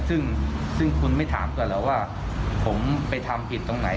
ซึ่งคุณไม่ถามก่อนเหรอว่าผมไปทำผิดตรงไหน